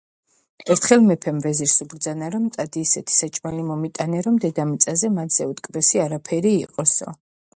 ერთხელ მეფემ ვეზირს უბრძანა: წადი, ისეთი საჭმელი მომიტანე, რომ დედამიწაზე მასზე უტკბესი არაფერი იყოსო.